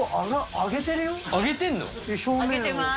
揚げてます。